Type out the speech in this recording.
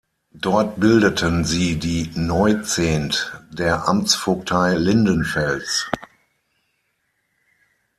Dort bildeten sie die "Neu-Zent" der Amtsvogtei Lindenfels.